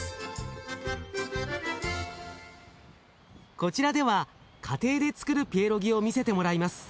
こちらでは家庭でつくるピエロギを見せてもらいます。